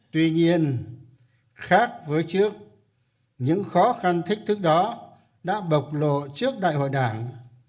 tuy nhiên khác với trước những khó khăn thách thức đó đã bộc lộ trước đại hội đảng